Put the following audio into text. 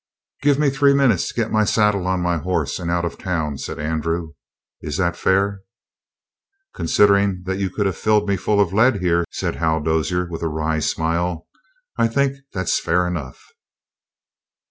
"Give me three minutes to get my saddle on my horse and out of town," said Andrew. "Is that fair?" "Considering that you could have filled me full of lead here," said Hal Dozier, with a wry smile, "I think that's fair enough."